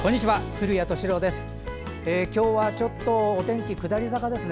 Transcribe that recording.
古谷敏郎です。